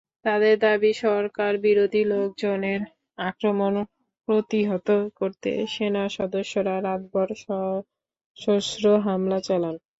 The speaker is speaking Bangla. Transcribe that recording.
তাঁদের দাবি, সরকারবিরোধী লোকজনের আক্রমণ প্রতিহত করতে সেনাসদস্যরা রাতভর সশস্ত্র হামলা চালান।